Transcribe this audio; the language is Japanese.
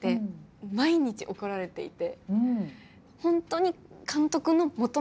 毎日怒られていて。